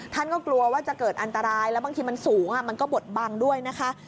ท่านก็กลัวว่าจะเกิดอันตรายแล้วบางทีมันสูงมันก็บดบังด้วยนะคะ